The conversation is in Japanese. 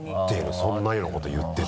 そんなようなこと言ってた。